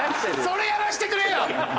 それやらせてくれよ！